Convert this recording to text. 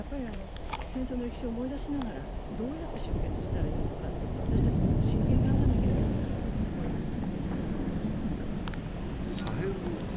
戦争の歴史を思い出しながら、どうやって終結したらいいのか、私たちはもっと真剣に考えないといけないなと思いますね。